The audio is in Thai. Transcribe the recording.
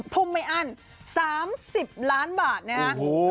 ทุ่มไม่อั้น๓๐ล้านบาทนะฮะ